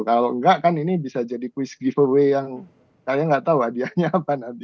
kalau nggak kan ini bisa jadi quiz giveaway yang kalian nggak tahu hadiahnya apa nanti